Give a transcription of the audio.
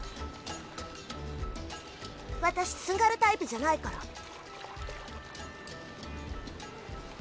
私すがるタイプじゃないから。